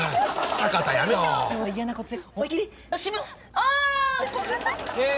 ああ。